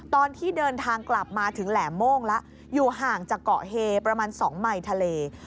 ตอนที่เดินทางกลับมาถึงแหลมโม่งแล้วอยู่ห่างจากเกาะเฮประมาณ๒ไมค์ทะเล